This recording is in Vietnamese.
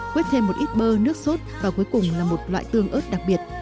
quét thêm một ít bơ nước sốt và cuối cùng là một loại tương ớt đặc biệt